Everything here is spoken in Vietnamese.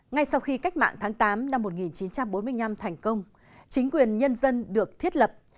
ngay sau khi cách mạng tháng tám năm một nghìn chín trăm bốn mươi năm thành công chính quyền nhân dân được thiết lập